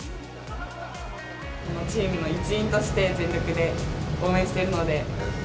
チームの一員として、全力で応援しているので。